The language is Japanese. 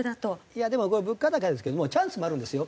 いやでもこれ物価高ですけどもチャンスもあるんですよ。